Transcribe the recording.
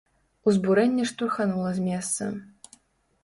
Узбурэнне штурханула з месца.